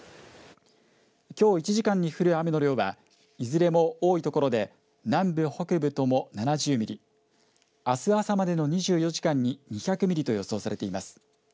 きょう１時間に降る雨の量はいずれも多いところで南部、北部とも７０ミリ、あす朝までの２４時間に２００ミリと予想されています。